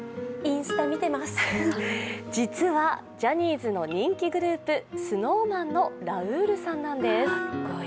実はジャニーズの人気グループ、ＳｎｏｗＭａｎのラウールさんなんです。